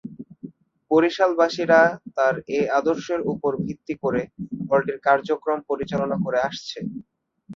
বরিশালবাসীরা তাঁর এ আদর্শের উপর ভিত্তি করে হলটির কার্যক্রম পরিচালনা করে আসছে।